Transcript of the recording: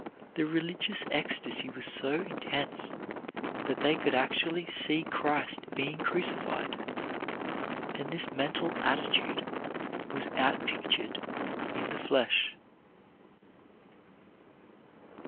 The religious ecstasy was so intense that they could actually see Christ being crucified, and this mental attitude was outpictured in the flesh.